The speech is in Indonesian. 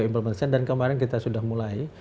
kita coba implementasikan dan kemarin kita sudah mulai